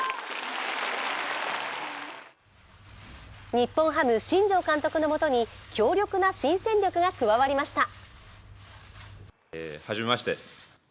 日本ハム、新庄監督のもとに強力な新戦力が加わりました。